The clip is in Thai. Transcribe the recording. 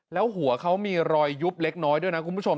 แล้วหัวเขามีรอยยุบเล็กน้อยด้วยนะคุณผู้ชม